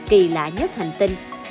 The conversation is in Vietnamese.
kỳ lạ nhất hành tinh